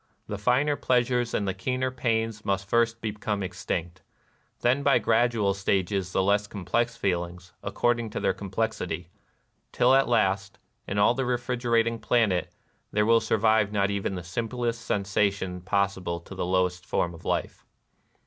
The finer pleasures and the keener pains must first be come extinct ; then by gradual stages the less complex feelings, according to their complex ity ; till at last, in all the refrigerating planet, there will survive not even the simplest sen sation possible to the lowest form of life.